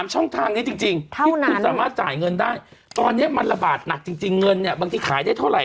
ช่องทางนี้จริงที่คุณสามารถจ่ายเงินได้ตอนนี้มันระบาดหนักจริงเงินเนี่ยบางทีขายได้เท่าไห